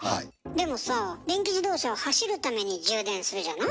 でもさあ電気自動車は走るために充電するじゃない？